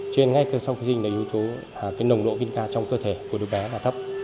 cho nên ngay sau khi sinh là yếu tố cái nồng độ vitamin k trong cơ thể của đứa bé là thấp